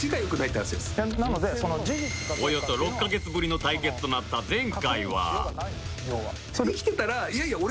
およそ６カ月ぶりの対決となった前回は